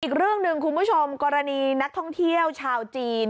อีกเรื่องหนึ่งคุณผู้ชมกรณีนักท่องเที่ยวชาวจีน